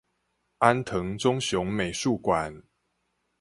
安藤忠雄美術館